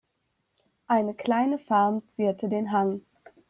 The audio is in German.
Eine kleine Farm zierte den Hang.